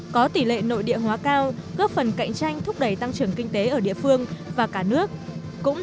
có tỷ lệ nội địa hóa cao góp phần cạnh tranh thúc đẩy tăng trưởng kinh tế ở địa phương và cả nước